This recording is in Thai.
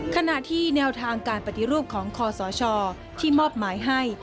ขณะที่แนวทางการปฏิรูปของคอสชที่มอบหมายให้